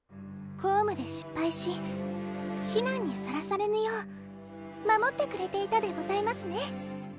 公務で失敗し非難にさらされぬよう守ってくれていたでございますね